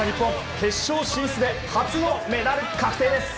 決勝進出で初のメダル確定です。